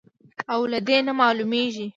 او له دې نه معلومېږي،